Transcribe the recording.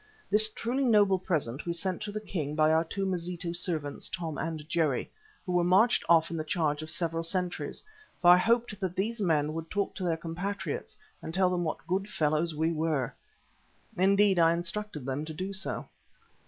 This truly noble present we sent to the king by our two Mazitu servants, Tom and Jerry, who were marched off in the charge of several sentries, for I hoped that these men would talk to their compatriots and tell them what good fellows we were. Indeed I instructed them to do so.